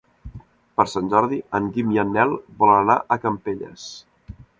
Per Sant Jordi en Guim i en Nel volen anar a Campelles.